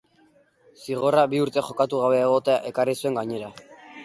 Zigorra bi urte jokatu gabe egotea ekarri zuen gainera.